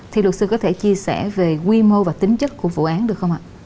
thì luật sư có thể chia sẻ về quy mô và tính chất của vụ án được không ạ